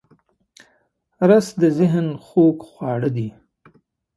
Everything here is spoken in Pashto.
رس د ذهن خوږ خواړه دی